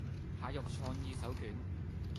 蟹肉創意手卷